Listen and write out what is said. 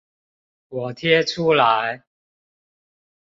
我貼出來